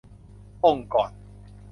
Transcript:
องค์กร